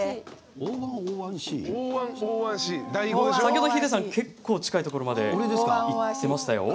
先ほど、ヒデさん結構近いところまでいってました。